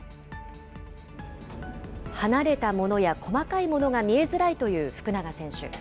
離れたものや細かいものが見えづらいという福永選手。